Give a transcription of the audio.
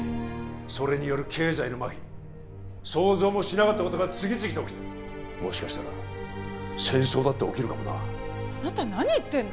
それによる経済の麻痺想像もしなかったことが次々と起きてるもしかしたら戦争だって起きるかもなあなた何言ってんの？